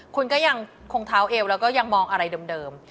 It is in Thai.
คุณก็ยังคงเท้าเอวแล้วก็ยังมองอะไรเดิม